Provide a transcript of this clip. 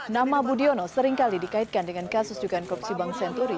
nama budiono seringkali dikaitkan dengan kasus dugaan korupsi bank senturi